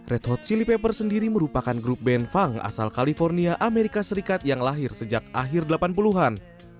red hot sili paper sendiri merupakan grup band funk asal california amerika serikat yang lahir sejak akhir delapan puluh an